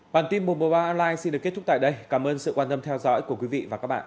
bản tin một trăm một mươi ba online xin được kết thúc tại đây cảm ơn sự quan tâm theo dõi của quý vị và các bạn